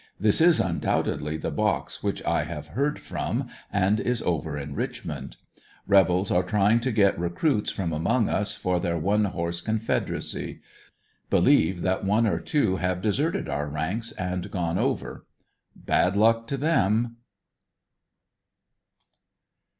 This is undoubtedly the box which I have heard from and is over in Richmond. Rebels are trying to get recruits from among us for their one horse Confederacy. Believe that one or two have deserted our ranks and gone over. Bad luck to them.